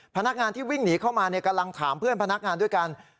พนักงานที่วิ่งหนีเข้ามากำลังถามเพื่อนพนักงานด้วยกัน